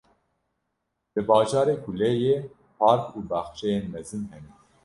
Li bajarê ku lê ye, park û baxçeyên mezin hene.